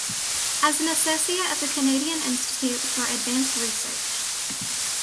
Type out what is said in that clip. As an Associate of the Canadian Institute for Advanced Research.